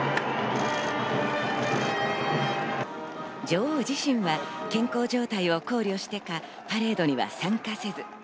女王自身は健康状態を考慮してか、パレードには参加せず。